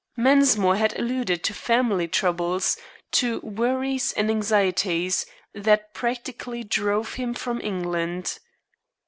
Mensmore had alluded to "family troubles," to "worries," and "anxieties," that practically drove him from England.